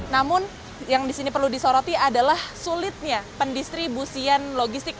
namun yang disini perlu disoroti adalah sulitnya pendistribusian logistik